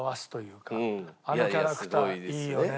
あのキャラクターいいよね。